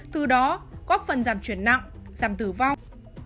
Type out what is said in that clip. từ đó góp phần giảm chuyển nặng giảm tử vong